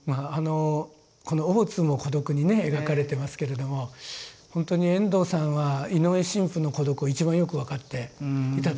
この大津の孤独にね描かれていますけれども本当に遠藤さんは井上神父の孤独を一番よく分かっていた。